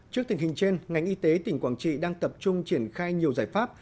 trước tình hình trên ngành y tế tỉnh quảng trị đang tập trung triển khai nhiều giải pháp